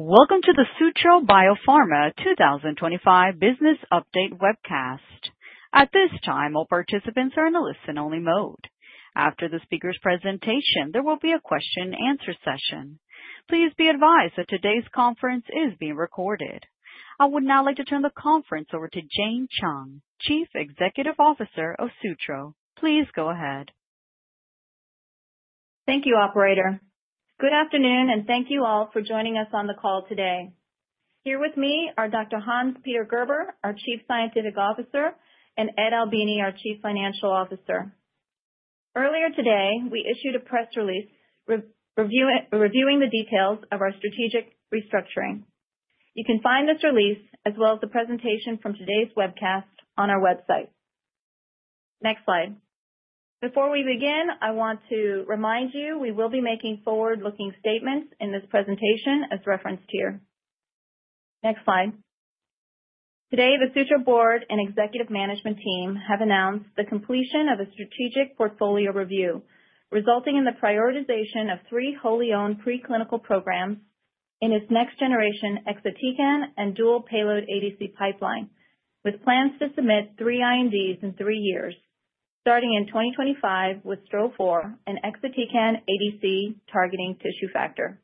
Welcome to the Sutro Biopharma 2025 Business Update webcast. At this time, all participants are in a listen-only mode. After the speaker's presentation, there will be a question-and-answer session. Please be advised that today's conference is being recorded. I would now like to turn the conference over to Jane Chung, Chief Executive Officer of Sutro. Please go ahead. Thank you, Operator. Good afternoon, and thank you all for joining us on the call today. Here with me are Dr. Hans-Peter Gerber, our Chief Scientific Officer, and Ed Albini, our Chief Financial Officer. Earlier today, we issued a press release reviewing the details of our strategic restructuring. You can find this release, as well as the presentation from today's webcast, on our website. Next slide. Before we begin, I want to remind you we will be making forward-looking statements in this presentation, as referenced here. Next slide. Today, the Sutro Board and Executive Management Team have announced the completion of a strategic portfolio review resulting in the prioritization of three wholly-owned preclinical programs in its next-generation ExitiCan and dual-payload ADC pipeline, with plans to submit three INDs in three years, starting in 2025 with STRO-004 and ExitiCan ADC targeting tissue factor.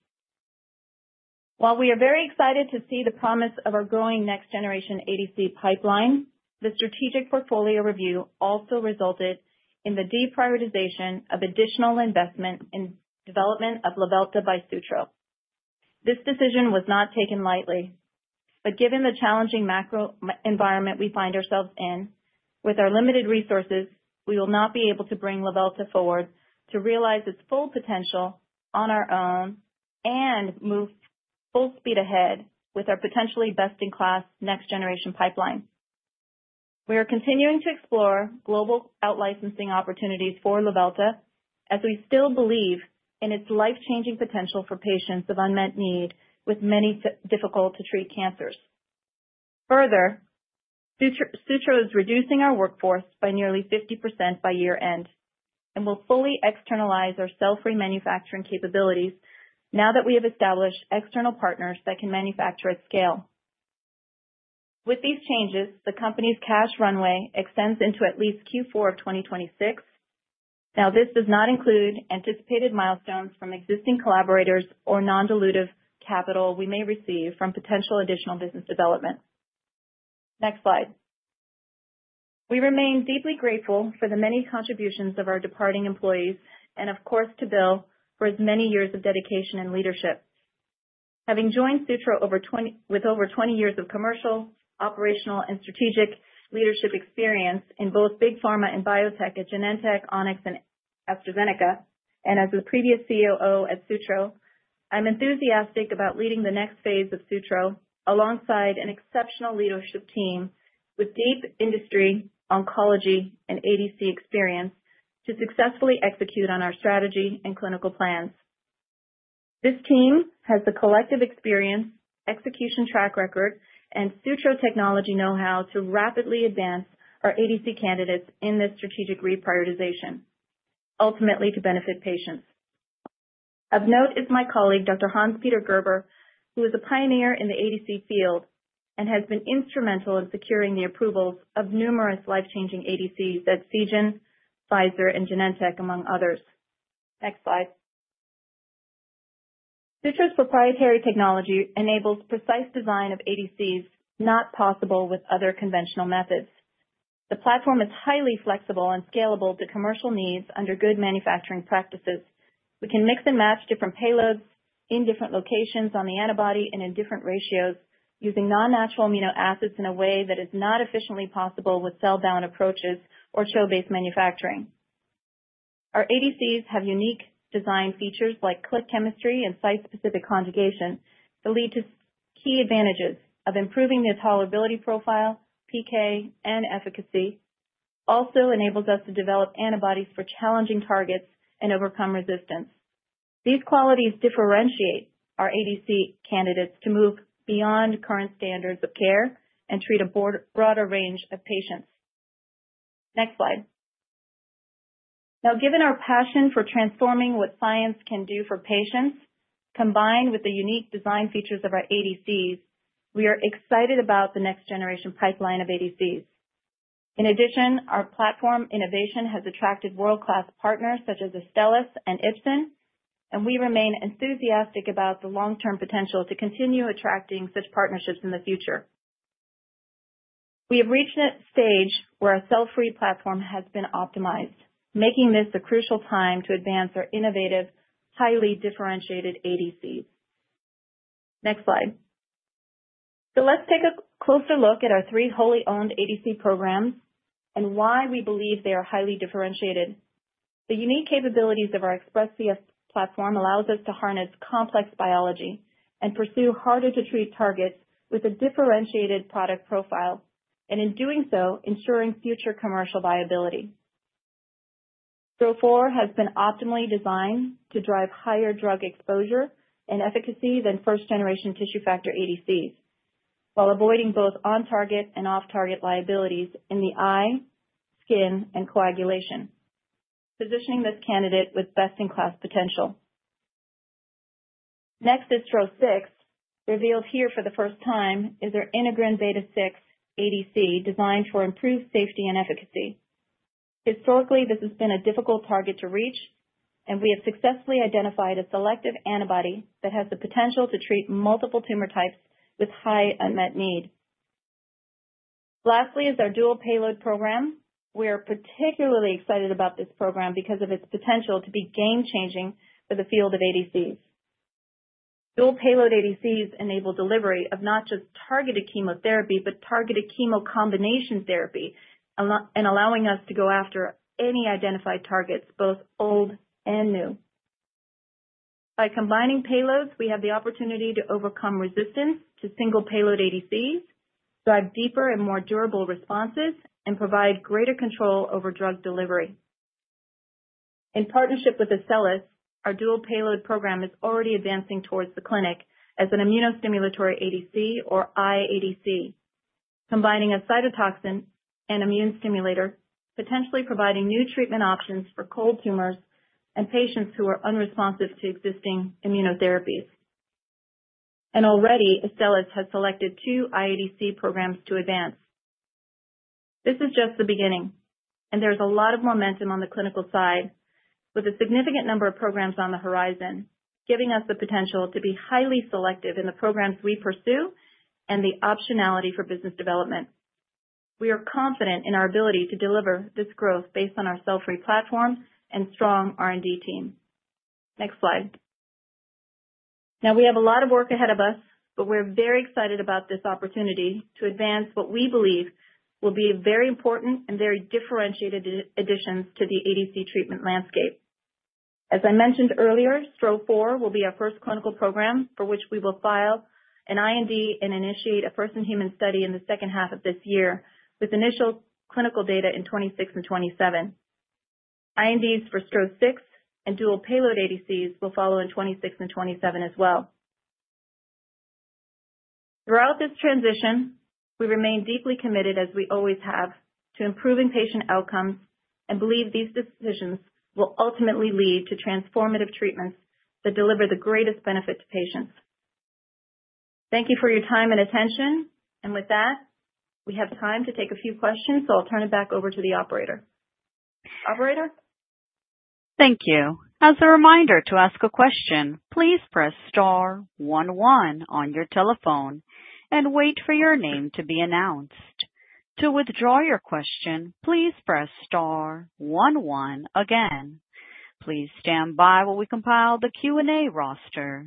While we are very excited to see the promise of our growing next-generation ADC pipeline, the strategic portfolio review also resulted in the deprioritization of additional investment in development of Luvelta by Sutro. This decision was not taken lightly. Given the challenging macro environment we find ourselves in, with our limited resources, we will not be able to bring Luvelta forward to realize its full potential on our own and move full speed ahead with our potentially best-in-class next-generation pipeline. We are continuing to explore global outlicensing opportunities for Luvelta as we still believe in its life-changing potential for patients of unmet need with many difficult-to-treat cancers. Further, Sutro is reducing our workforce by nearly 50% by year-end and will fully externalize our self-remanufacturing capabilities now that we have established external partners that can manufacture at scale. With these changes, the company's cash runway extends into at least Q4 of 2026. Now, this does not include anticipated milestones from existing collaborators or non-dilutive capital we may receive from potential additional business development. Next slide. We remain deeply grateful for the many contributions of our departing employees and, of course, to Bill for his many years of dedication and leadership. Having joined Sutro with over 20 years of commercial, operational, and strategic leadership experience in both big pharma and biotech at Genentech, Onyx, and AstraZeneca, and as the previous COO at Sutro, I'm enthusiastic about leading the next phase of Sutro alongside an exceptional leadership team with deep industry oncology and ADC experience to successfully execute on our strategy and clinical plans. This team has the collective experience, execution track record, and Sutro technology know-how to rapidly advance our ADC candidates in this strategic reprioritization, ultimately to benefit patients. Of note is my colleague, Dr. Hans-Peter Gerber, who is a pioneer in the ADC field and has been instrumental in securing the approvals of numerous life-changing ADCs at Seagen, Pfizer, and Genentech, among others. Next slide. Sutro's proprietary technology enables precise design of ADCs not possible with other conventional methods. The platform is highly flexible and scalable to commercial needs under good manufacturing practices. We can mix and match different payloads in different locations on the antibody and in different ratios using non-natural amino acids in a way that is not efficiently possible with cell-bound approaches or CHO-based manufacturing. Our ADCs have unique design features like click chemistry and site-specific conjugation that lead to key advantages of improving the tolerability profile, PK, and efficacy. It also enables us to develop antibodies for challenging targets and overcome resistance. These qualities differentiate our ADC candidates to move beyond current standards of care and treat a broader range of patients. Next slide. Now, given our passion for transforming what science can do for patients, combined with the unique design features of our ADCs, we are excited about the next-generation pipeline of ADCs. In addition, our platform innovation has attracted world-class partners such as Astellas and Ipsen, and we remain enthusiastic about the long-term potential to continue attracting such partnerships in the future. We have reached a stage where our cell-free platform has been optimized, making this a crucial time to advance our innovative, highly differentiated ADCs. Next slide. Let's take a closer look at our three wholly-owned ADC programs and why we believe they are highly differentiated. The unique capabilities of our XpressCF platform allow us to harness complex biology and pursue harder-to-treat targets with a differentiated product profile, and in doing so, ensuring future commercial viability. STRO-004 has been optimally designed to drive higher drug exposure and efficacy than first-generation tissue factor ADCs, while avoiding both on-target and off-target liabilities in the eye, skin, and coagulation, positioning this candidate with best-in-class potential. Next, STRO-006, revealed here for the first time, is our Integrin Beta-6 ADC designed for improved safety and efficacy. Historically, this has been a difficult target to reach, and we have successfully identified a selective antibody that has the potential to treat multiple tumor types with high unmet need. Lastly, is our dual-payload program. We are particularly excited about this program because of its potential to be game-changing for the field of ADCs. Dual-payload ADCs enable delivery of not just targeted chemotherapy but targeted chemocombination therapy, allowing us to go after any identified targets, both old and new. By combining payloads, we have the opportunity to overcome resistance to single-payload ADCs, drive deeper and more durable responses, and provide greater control over drug delivery. In partnership with Astellas, our dual-payload program is already advancing towards the clinic as an immunostimulatory ADC or iADC, combining a cytotoxin and immune stimulator, potentially providing new treatment options for cold tumors and patients who are unresponsive to existing immunotherapies. Already, Astellas has selected two iADC programs to advance. This is just the beginning, and there's a lot of momentum on the clinical side, with a significant number of programs on the horizon, giving us the potential to be highly selective in the programs we pursue and the optionality for business development. We are confident in our ability to deliver this growth based on our cell-free platform and strong R&D team. Next slide. Now, we have a lot of work ahead of us, but we're very excited about this opportunity to advance what we believe will be very important and very differentiated additions to the ADC treatment landscape. As I mentioned earlier, STRO-004 will be our first clinical program for which we will file an IND and initiate a first-in-human study in the second half of this year, with initial clinical data in 2026 and 2027. INDs for STRO-006 and dual-payload ADCs will follow in 2026 and 2027 as well. Throughout this transition, we remain deeply committed, as we always have, to improving patient outcomes and believe these decisions will ultimately lead to transformative treatments that deliver the greatest benefit to patients. Thank you for your time and attention. We have time to take a few questions, so I'll turn it back over to the Operator. Operator? Thank you. As a reminder to ask a question, please press star one one on your telephone and wait for your name to be announced. To withdraw your question, please press star one one again. Please stand by while we compile the Q&A roster.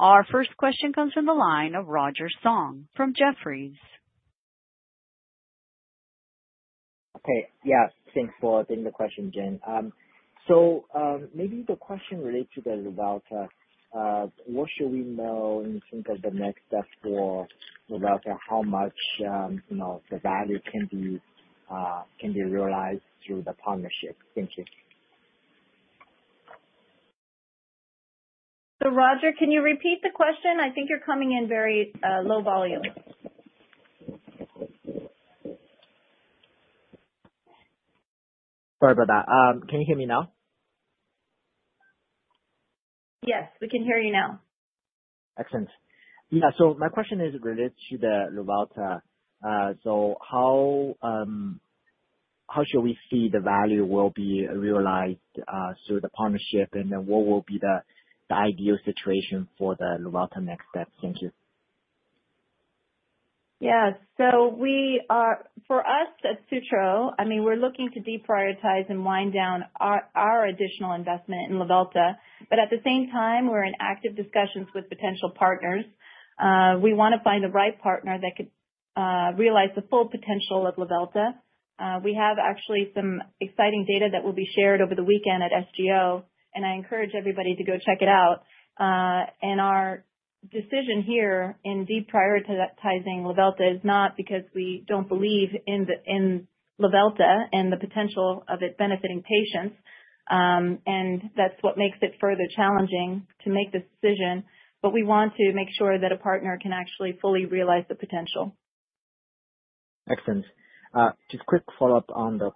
Our first question comes from the line of Roger Song from Jefferies. Okay. Yeah. Thanks for taking the question, Jane. Maybe the question relates to the Luvelta. What should we know in terms of the next step for Luvelta? How much the value can be realized through the partnership? Thank you. Roger, can you repeat the question? I think you're coming in very low volume. Sorry about that. Can you hear me now? Yes, we can hear you now. Excellent. Yeah. My question is related to the Luvelta. How should we see the value will be realized through the partnership, and then what will be the ideal situation for the Luvelta next step? Thank you. Yeah. For us at Sutro, I mean, we're looking to deprioritize and wind down our additional investment in Luvelta. At the same time, we're in active discussions with potential partners. We want to find the right partner that could realize the full potential of Luvelta. We have actually some exciting data that will be shared over the weekend at SGO, and I encourage everybody to go check it out. Our decision here in deprioritizing Luvelta is not because we don't believe in Luvelta and the potential of it benefiting patients, and that's what makes it further challenging to make this decision. We want to make sure that a partner can actually fully realize the potential. Excellent. Just quick follow-up on the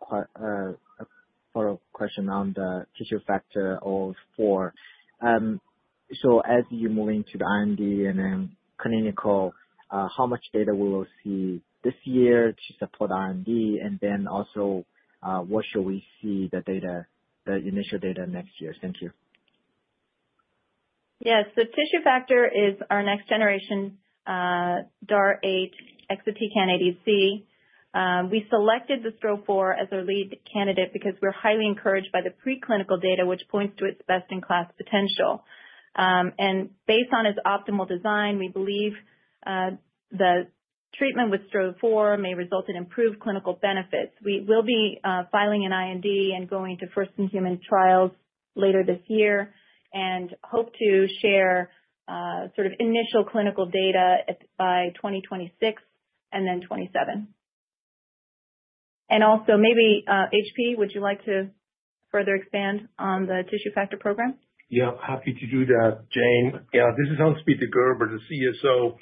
follow-up question on the tissue factor V4. As you move into the IND and then clinical, how much data will we see this year to support IND? Also, should we see the initial data next year? Thank you. Yeah. Tissue factor is our next-generation DAR8 ExitiCan ADC. We selected the STRO-004 as our lead candidate because we're highly encouraged by the preclinical data, which points to its best-in-class potential. Based on its optimal design, we believe the treatment with STRO-004 may result in improved clinical benefits. We will be filing an IND and going to first-in-human trials later this year and hope to share sort of initial clinical data by 2026 and then 2027. Also, maybe HP, would you like to further expand on the tissue factor program? Yeah. Happy to do that, Jane. Yeah. This is Hans-Peter Gerber, the CSO.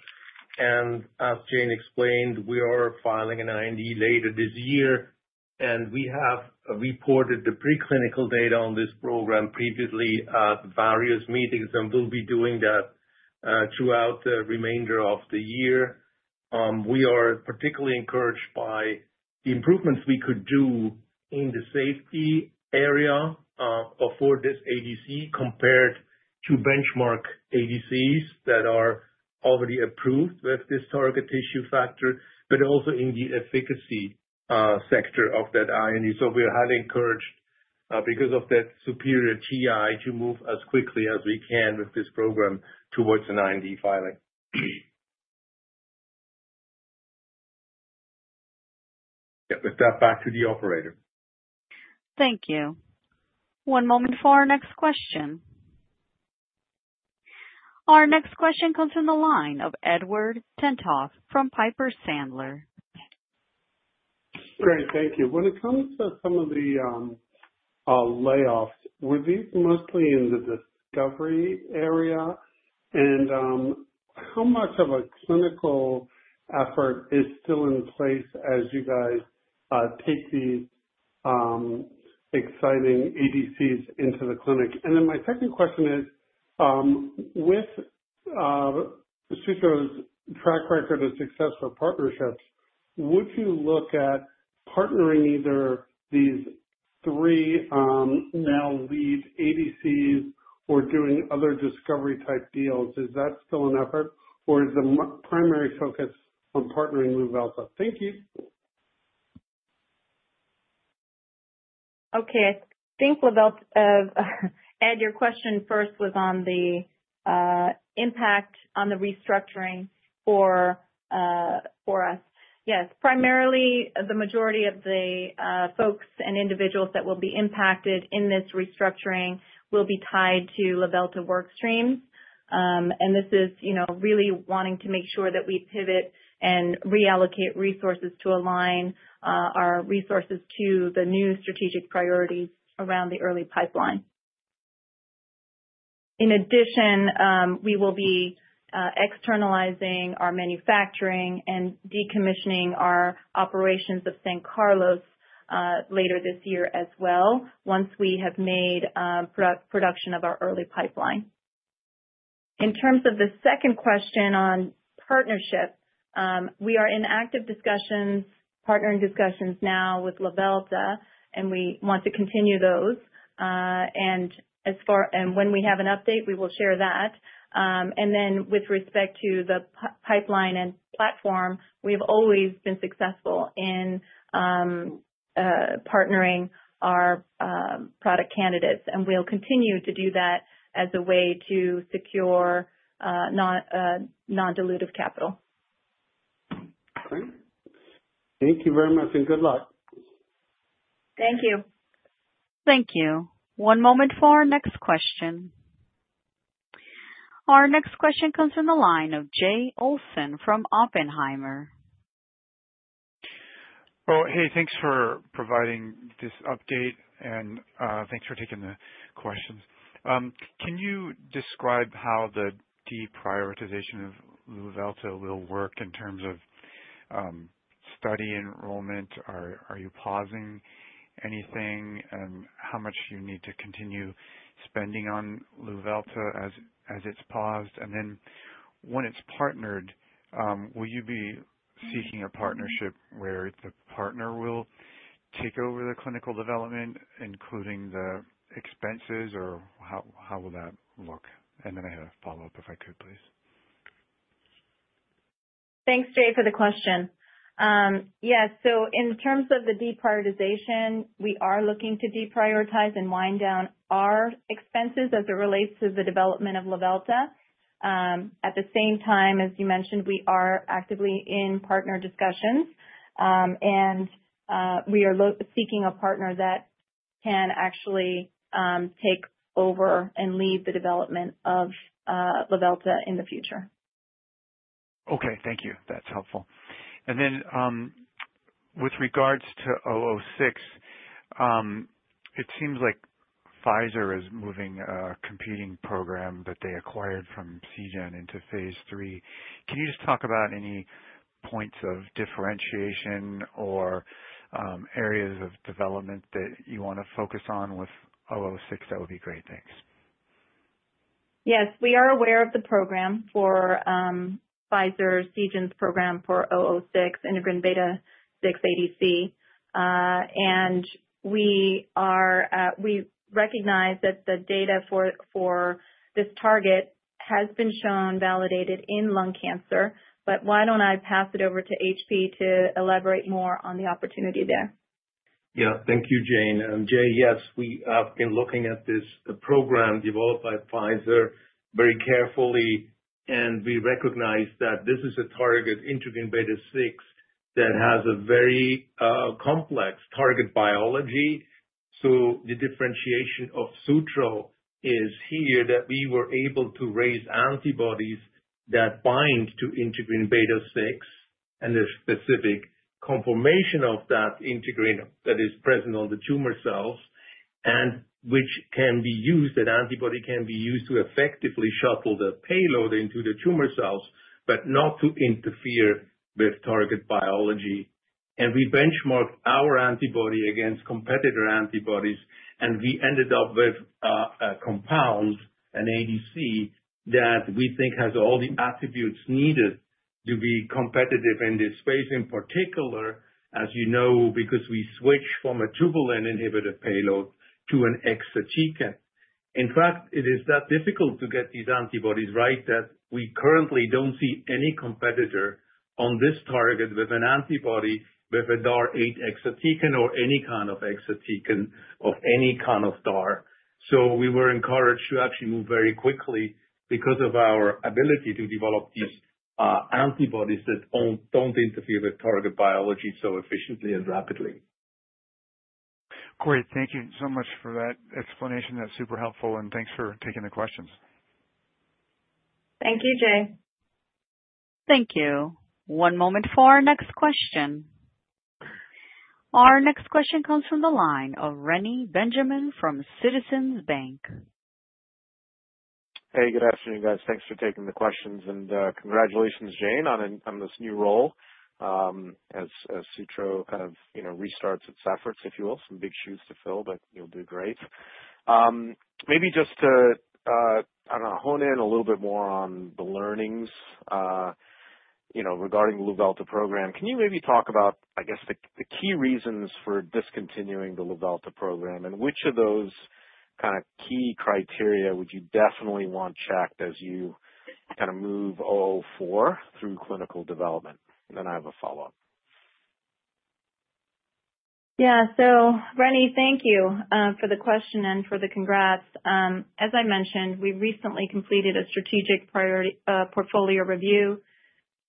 As Jane explained, we are filing an IND later this year, and we have reported the preclinical data on this program previously at various meetings and will be doing that throughout the remainder of the year. We are particularly encouraged by the improvements we could do in the safety area for this ADC compared to benchmark ADCs that are already approved with this target tissue factor, but also in the efficacy sector of that IND. We are highly encouraged because of that superior TI to move as quickly as we can with this program towards an IND filing. Yeah. With that, back to the Operator. Thank you. One moment for our next question. Our next question comes from the line of Edward Tenthoff from Piper Sandler. Great. Thank you. When it comes to some of the layoffs, were these mostly in the discovery area? How much of a clinical effort is still in place as you guys take these exciting ADCs into the clinic? My second question is, with Sutro's track record of successful partnerships, would you look at partnering either these three now lead ADCs or doing other discovery-type deals? Is that still an effort, or is the primary focus on partnering with Luvelta? Thank you. Okay. I think Luvelta—and your question first was on the impact on the restructuring for us. Yes. Primarily, the majority of the folks and individuals that will be impacted in this restructuring will be tied to Luvelta workstreams. This is really wanting to make sure that we pivot and reallocate resources to align our resources to the new strategic priorities around the early pipeline. In addition, we will be externalizing our manufacturing and decommissioning our operations of San Carlos later this year as well, once we have made production of our early pipeline. In terms of the second question on partnership, we are in active discussions, partnering discussions now with Luvelta. We want to continue those. When we have an update, we will share that. With respect to the Pipeline and platform, we have always been successful in partnering our product candidates, and we'll continue to do that as a way to secure non-dilutive capital. Great. Thank you very much, and good luck. Thank you. Thank you. One moment for our next question. Our next question comes from the line of Jay Olson from Oppenheimer. Oh, hey. Thanks for providing this update, and thanks for taking the questions. Can you describe how the deprioritization of Luvelta will work in terms of study enrollment? Are you pausing anything, and how much do you need to continue spending on Luvelta as it's paused? When it's partnered, will you be seeking a partnership where the partner will take over the clinical development, including the expenses, or how will that look? I have a follow-up, if I could, please. Thanks, Jay, for the question. Yeah. In terms of the deprioritization, we are looking to deprioritize and wind down our expenses as it relates to the development of Luvelta. At the same time, as you mentioned, we are actively in partner discussions, and we are seeking a partner that can actually take over and lead the development of Luvelta in the future. Okay. Thank you. That's helpful. With regards to 006, it seems like Pfizer is moving a competing program that they acquired from Seagen into phase three. Can you just talk about any points of differentiation or areas of development that you want to focus on with 006? That would be great. Thanks. Yes. We are aware of the program for Pfizer's Seagen's program for 006, Integrin Beta-6 ADC. We recognize that the data for this target has been shown validated in lung cancer. Why don't I pass it over to HP to elaborate more on the opportunity there? Yeah. Thank you, Jane. Jay, yes, we have been looking at this program developed by Pfizer very carefully, and we recognize that this is a target, Integrin Beta-6, that has a very complex target biology. The differentiation of Sutro is here that we were able to raise antibodies that bind to Integrin Beta-6 and the specific conformation of that Integrin that is present on the tumor cells, and which can be used—that antibody can be used to effectively shuttle the payload into the tumor cells but not to interfere with target biology. We benchmarked our antibody against competitor antibodies, and we ended up with a compound, an ADC, that we think has all the attributes needed to be competitive in this space. In particular, as you know, because we switched from a tubulin-inhibitor payload to an ExitiCan. In fact, it is that difficult to get these antibodies right that we currently don't see any competitor on this target with an antibody with a DAR8 ExitiCan or any kind of ExitiCan of any kind of DAR. So we were encouraged to actually move very quickly because of our ability to develop these antibodies that don't interfere with target biology so efficiently and rapidly. Great. Thank you so much for that explanation. That's super helpful. Thanks for taking the questions. Thank you, Jay. Thank you. One moment for our next question. Our next question comes from the line of Reni Benjamin from Citizens Bank. Hey. Good afternoon, guys. Thanks for taking the questions. And congratulations, Jane, on this new role as Sutro kind of restarts its efforts, if you will. Some big shoes to fill, but you'll do great. Maybe just to, I don't know, hone in a little bit more on the learnings regarding the Luvelta program. Can you maybe talk about, I guess, the key reasons for discontinuing the Luvelta program, and which of those kind of key criteria would you definitely want checked as you kind of move 004 through clinical development? Then I have a follow-up. Yeah. Reni, thank you for the question and for the congrats. As I mentioned, we recently completed a strategic portfolio review,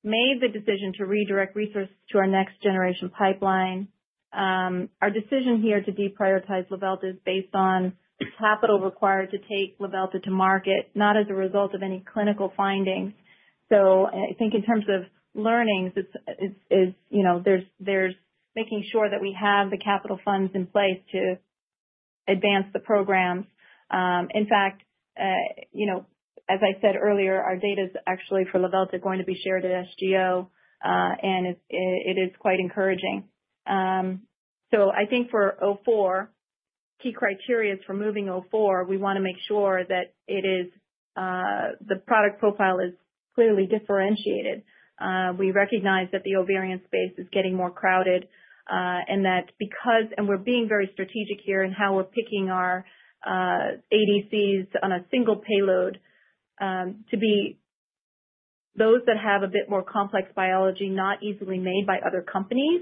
made the decision to redirect resources to our next-generation pipeline. Our decision here to deprioritize Luvelta is based on capital required to take Luvelta to market, not as a result of any clinical findings. I think in terms of learnings, there's making sure that we have the capital funds in place to advance the programs. In fact, as I said earlier, our data is actually for Luvelta going to be shared at SGO, and it is quite encouraging. I think for 004, key criteria is for moving 004, we want to make sure that the product profile is clearly differentiated. We recognize that the ovarian space is getting more crowded and that because—we're being very strategic here in how we're picking our ADCs on a single payload—to be those that have a bit more complex biology not easily made by other companies.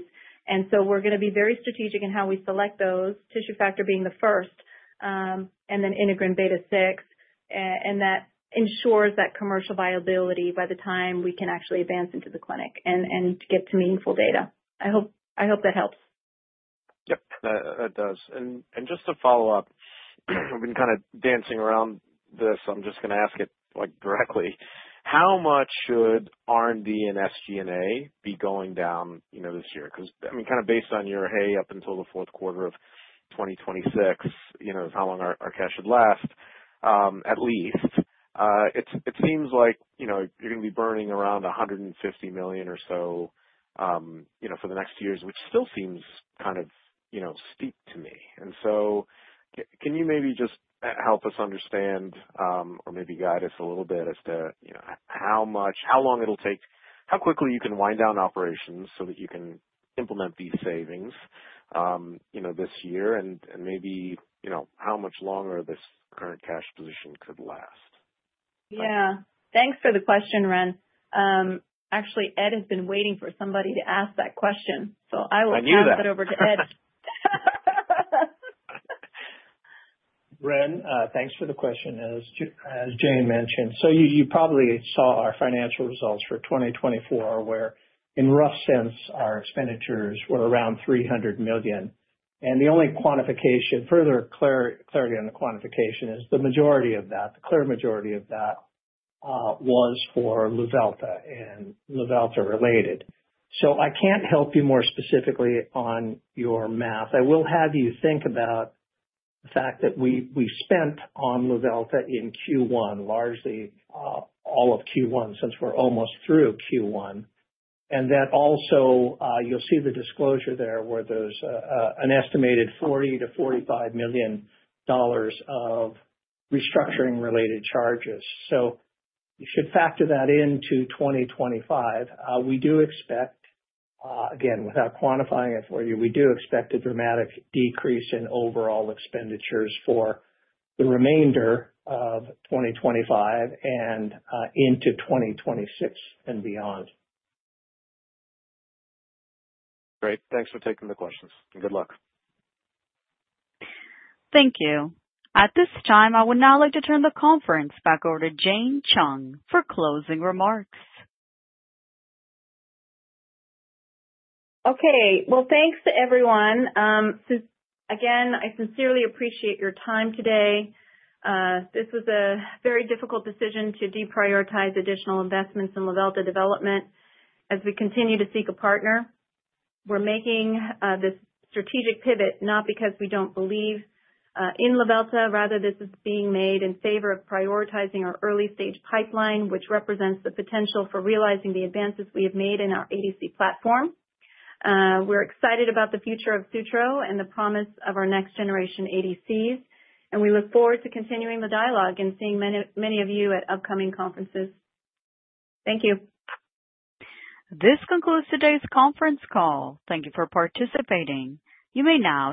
We're going to be very strategic in how we select those, tissue factor being the first, and then Integrin Beta-6. That ensures that commercial viability by the time we can actually advance into the clinic and get to meaningful data. I hope that helps. Yep. That does. Just to follow up, we've been kind of dancing around this. I'm just going to ask it directly. How much should R&D and SG&A be going down this year? Because, I mean, kind of based on your hay up until the fourth quarter of 2026, how long our cash should last, at least, it seems like you're going to be burning around $150 million or so for the next two years, which still seems kind of steep to me. Can you maybe just help us understand or maybe guide us a little bit as to how long it'll take, how quickly you can wind down operations so that you can implement these savings this year, and maybe how much longer this current cash position could last? Yeah. Thanks for the question, Reni. Actually, Ed has been waiting for somebody to ask that question. I will pass it over to Ed. Ren, thanks for the question. As Jane mentioned, you probably saw our financial results for 2024, where in a rough sense, our expenditures were around $300 million. The only clarifying on the quantification is the majority of that, the clear majority of that, was for Luvelta and Luvelta-related. I can't help you more specifically on your math. I will have you think about the fact that we spent on Luvelta in Q1, largely all of Q1 since we're almost through Q1. You will see the disclosure there where there's an estimated $40-$45 million of restructuring-related charges. You should factor that into 2025. We do expect, again, without quantifying it for you, we do expect a dramatic decrease in overall expenditures for the remainder of 2025 and into 2026 and beyond. Great. Thanks for taking the questions. Good luck. Thank you. At this time, I would now like to turn the conference back over to Jane Chung for closing remarks. Okay. Thanks to everyone. Again, I sincerely appreciate your time today. This was a very difficult decision to deprioritize additional investments in Luvelta development as we continue to seek a partner. We're making this strategic pivot not because we don't believe in Luvelta; rather, this is being made in favor of prioritizing our early-stage pipeline, which represents the potential for realizing the advances we have made in our ADC platform. We're excited about the future of Sutro and the promise of our next-generation ADCs. We look forward to continuing the dialogue and seeing many of you at upcoming conferences. Thank you. This concludes today's conference call. Thank you for participating. You may now.